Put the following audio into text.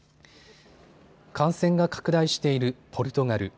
感染が拡大しているポルトガル。